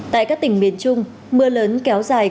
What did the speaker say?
tại các tỉnh miền trung mưa lớn kéo dài